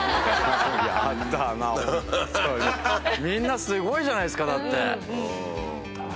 みんなすごいじゃないですかだって。